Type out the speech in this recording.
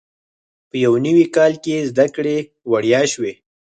په یو نوي کال کې زده کړې وړیا شوې.